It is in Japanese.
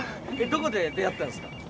どこで出会ったんすか？